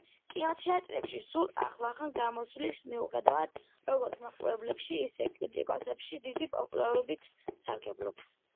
კინოთეატრებში სულ ახლახან გამოსვლის მიუხედავად, როგორც მაყურებლებში, ისე კრიტიკოსებში დიდი პოპულარობით სარგებლობს.